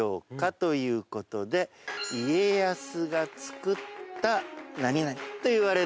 ということで家康がつくった何々といわれています。